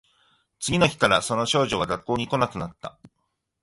次の日からその女子は学校に来なくなった